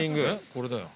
これだよ。